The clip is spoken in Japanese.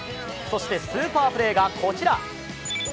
そしてスーパープレーがこちら。